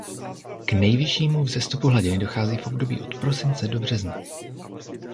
K nejvyššímu vzestupu hladiny dochází v období od prosince do března.